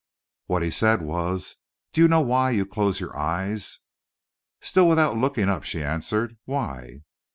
What he said was: "Do you know why you close your eyes?" Still without looking up she answered: "Why?"